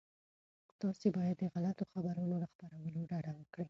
تاسي باید د غلطو خبرونو له خپرولو ډډه وکړئ.